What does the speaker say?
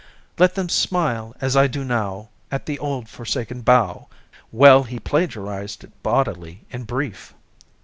"Let them smile, as I do now, At the old forsaken bough" Well, he'd plagiarized it bodily, in brief!